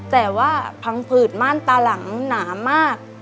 แต่ว่าพังผืดม่านตาหลังหนามาก